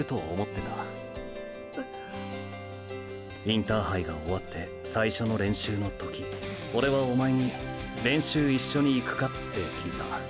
インターハイが終わって最初の練習の時オレはおまえに練習一緒にいくか？って聞いた。